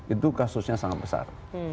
itu kasusnya sangat besar